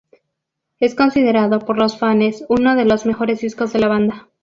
Es considerado por los fanes uno de los mejores discos de la banda.